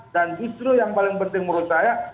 dan justru yang paling penting menurut saya